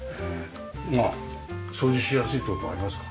掃除しやすいって事はありますか？